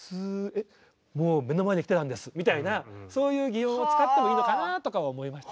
えっもう目の前で来てたんですみたいなそういう擬音を使ってもいいのかなあとか思いました。